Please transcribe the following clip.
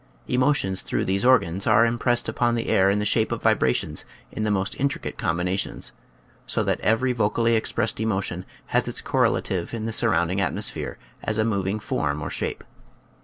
Emo tions through these organs are impressed upon the air in the shape of vibrations in the most intricate combinations, so that every vocally expressed emotion has its cor relative in the surrounding atmosphere as a moving form or shape.